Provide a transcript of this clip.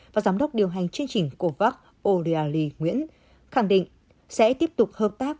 và giám đốc điều hành chương trình covax o reilly nguyễn khẳng định sẽ tiếp tục hợp tác